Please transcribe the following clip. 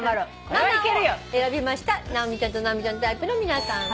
「ママ」を選びました直美ちゃんと直美ちゃんタイプの皆さんは。